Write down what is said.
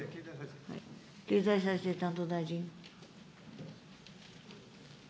経済再生担当大臣。